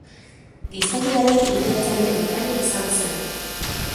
Gizadiaren ikertzaile bikaina izan zen.